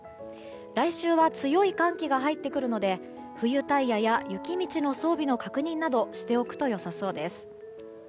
来週は強い寒気が入ってくるので冬タイヤや雪道の装備の確認などしておくとよさそうです。